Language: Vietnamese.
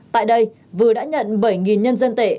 tại đây vừ đã nhận bảy nhân dân tệ